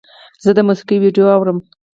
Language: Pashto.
زه د موسیقۍ ویډیو اورم.